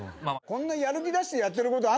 こんなやる気出してやってることあんだ？